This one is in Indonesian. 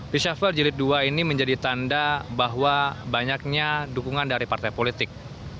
reshuffle jilid dua ini menjadi tanda bahwa banyaknya dukungan dari partai politik